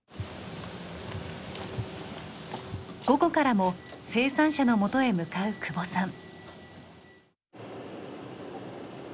午後からも生産者のもとへ向かう久保さん。